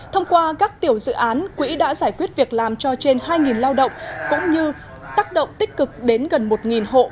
thông qua các tiểu dự án quỹ đã giải quyết việc làm cho trên hai lao động cũng như tác động tích cực đến gần một hộ